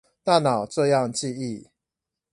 大腦這樣記憶